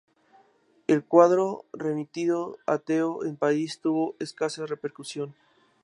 El cuadro remitido a Theo en París tuvo escasa repercusión.